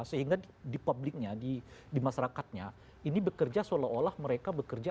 sehingga di publiknya di masyarakatnya ini bekerja seolah olah mereka bekerja